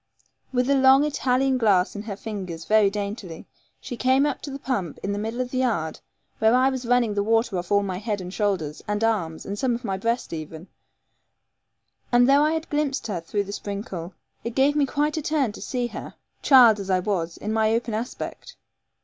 With a long Italian glass in her fingers very daintily, she came up to the pump in the middle of the yard, where I was running the water off all my head and shoulders, and arms, and some of my breast even, and though I had glimpsed her through the sprinkle, it gave me quite a turn to see her, child as I was, in my open aspect.